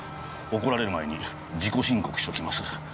怒られる前に自己申告しときます。